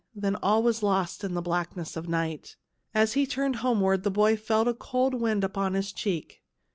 Then all was lost in the blackness of night. As he turned homeward the boy felt a cold wind upon his cheek.